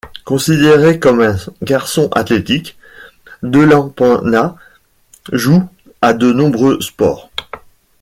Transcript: Considéré comme un garçon athlétique, Delapenha joue à de nombreux sports.